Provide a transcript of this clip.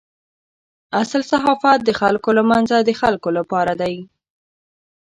اصل صحافت د خلکو له منځه د خلکو لپاره دی.